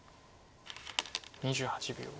２８秒。